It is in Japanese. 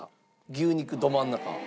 牛肉どまん中。